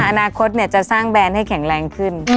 อนาคตจะสร้างแบรนด์ให้แข็งแรงขึ้น